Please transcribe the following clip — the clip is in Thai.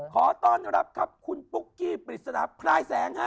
ขอต้อนรับครับคุณปุ๊กกี้ปริศนาพลายแสงฮะ